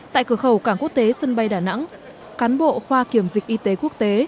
tại cửa khẩu cảng quốc tế sân bay đà nẵng cán bộ khoa kiểm dịch y tế quốc tế